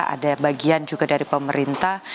ada bagian juga dari pemerintah